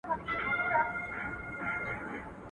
خوله دي خپله، غول په وله.